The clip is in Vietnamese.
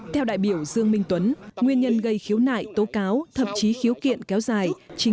theo đại biểu dương minh tuấn nguyên nhân gây khiếu nại tố cáo thậm chí khiếu kiện kéo dài